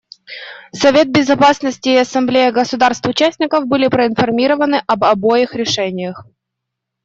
Совет Безопасности и Ассамблея государств-участников были проинформированы об обоих решениях.